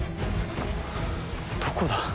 どこだ？